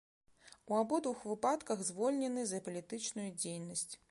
У абодвух выпадках звольнены за палітычную дзейнасць.